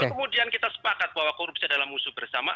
kalau kemudian kita sepakat bahwa korupsi adalah musuh bersama